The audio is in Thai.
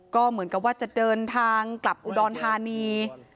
ก็เหมือนกับว่าจะเดินทางกลับอุดรธานี